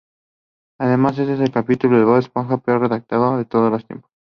Además, este es el capítulo de Bob Esponja peor redactado de todos los tiempos.